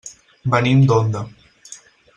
Venim d'Onda.